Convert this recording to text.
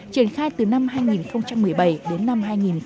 triển khai từ năm hai nghìn một mươi bảy đến năm hai nghìn hai mươi